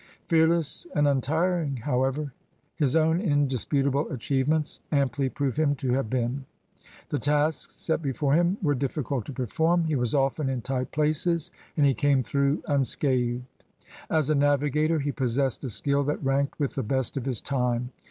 Fear less and untiring, however, his own indisputable achievements amply prove him to have been. The tasks set before him were difficult to perform; he was often in tight places and he came through unscathed. As a navigator he possessed a skill that ranked with the best of his time.